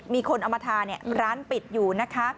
มีคนเอามาทาร้านปิดอยู่